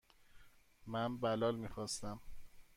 من بلال میخواستم.